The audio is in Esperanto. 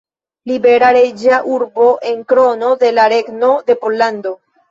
Libera reĝa urbo en Krono de la Regno de Pollando.